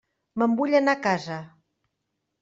Me'n vull anar a casa.